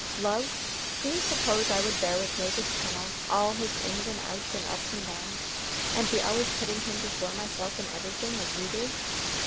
Love? Do you suppose I would bear with Moses Pennel all his ins and outs and ups and downs, and be always putting him before myself in everything, as you do?